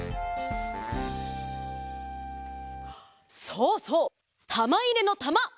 そうそう！たまいれのたま！